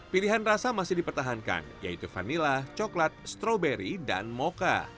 pilihan rasa masih dipertahankan yaitu vanila coklat stroberi dan mocha